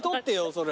それ。